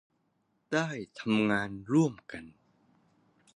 ได้ทำงานร่วมกัน